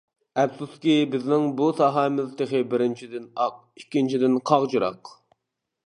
ئەپسۇسكى بىزنىڭ بۇ ساھەمىز تېخى بىرىنچىدىن ئاق، ئىككىنچىدىن قاغجىراق.